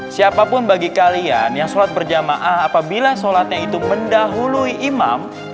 siapapun bagi kalian yang sholat berjamaah apabila sholatnya itu mendahului imam